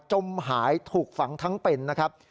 จมหายถูกฝังทั้งเป็นนะครับ